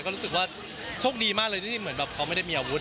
ก็รู้สึกว่าโชคดีมากเลยที่เหมือนแบบเขาไม่ได้มีอาวุธ